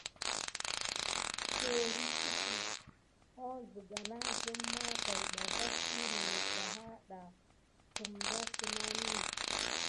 Eritudi ho siga nasim mà taïɓa vaki ninet ba ha da ki kumda sinani.